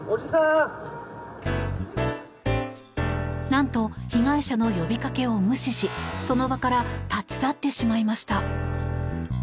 なんと被害者の呼びかけを無視しその場から立ち去ってしまいました。